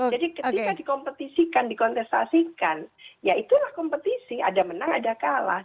jadi ketika dikompetisikan dikontestasikan ya itulah kompetisi ada menang ada kalah